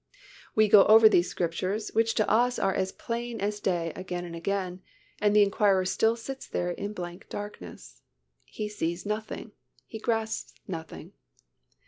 We go over these Scriptures which to us are as plain as day again and again, and the inquirer sits there in blank darkness; he sees nothing, he grasps nothing.